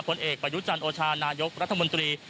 ผลเอกประยุจันทร์โอชานายกรัฐมนตรี